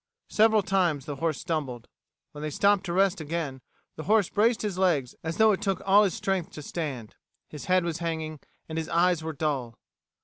Several times the horse stumbled. When they stopped to rest again, the horse braced his legs as though it took all his strength to stand. His head was hanging, and his eyes were dull.